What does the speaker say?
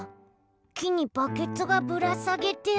きにバケツがぶらさげてある。